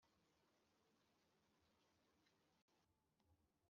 imirambo yabo kandi ntibazakunda ko ishyirwa mu mva